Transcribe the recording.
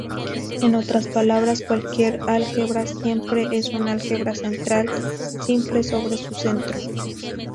En otras palabras, cualquier álgebra simple es un álgebra central simple sobre su centro.